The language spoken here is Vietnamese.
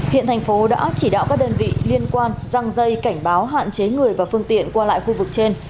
hiện thành phố đã chỉ đạo các đơn vị liên quan răng dây cảnh báo hạn chế người và phương tiện qua lại khu vực trên